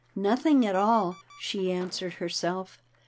Nothing at all, she answered herself.